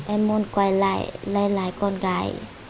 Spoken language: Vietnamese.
em muốn quay lại lấy lại con gái